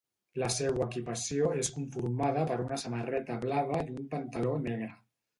La seua equipació és conformada per una samarreta blava i un pantaló negre.